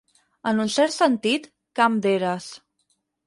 En un cert sentit, camp d'eres.